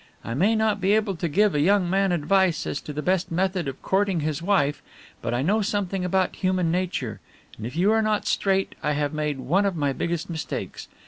I may not be able to give a young man advice as to the best method of courting his wife, but I know something about human nature, and if you are not straight, I have made one of my biggest mistakes.